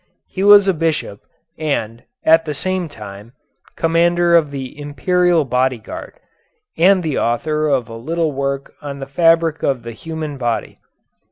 He was a bishop, and, at the same time, commander of the imperial bodyguard, and the author of a little work on the fabric of the human body.